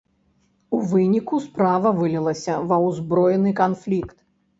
У выніку справа вылілася ва ўзброены канфлікт.